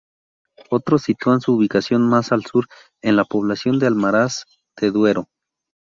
Otros sitúan su ubicación más al sur en la población de Almaraz de Duero.